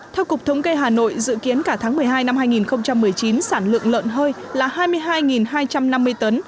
theo cục thống kê hà nội dự kiến cả tháng một mươi hai năm hai nghìn một mươi chín sản lượng lợn hơi là hai mươi hai hai trăm năm mươi tấn